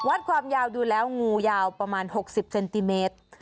วัดความยาวดูแล้วงูยาวประมาณ๖๐เซนติเมตร